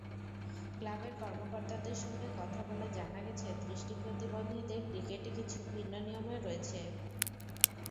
ক্লাবের কর্মকর্তাদের সঙ্গে কথা বলে জানা গেছে, দৃষ্টিপ্রতিবন্ধীদের ক্রিকেটে কিছু ভিন্ন নিয়মও রয়েছে।